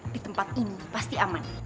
di tempat umum pasti aman